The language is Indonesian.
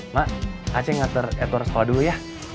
mak aceng ngantar edward sekolah dulu ya